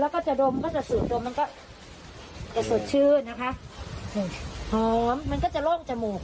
แล้วก็จะดมก็จะสูดดมมันก็จะสดชื่นนะคะนี่หอมมันก็จะโล่งจมูก